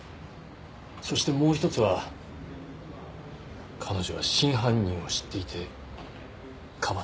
そしてもう一つは彼女は真犯人を知っていてかばっている。